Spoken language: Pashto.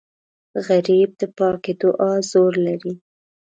غریب د پاکې دعا زور لري